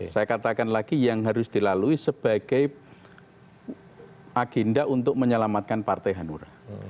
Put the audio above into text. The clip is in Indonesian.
saya katakan lagi yang harus dilalui sebagai agenda untuk menyelamatkan partai hanura